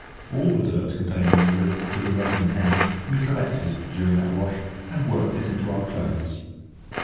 All the dirt contained in the river between Reading and Henley, we collected, during that wash, and worked it into our clothes.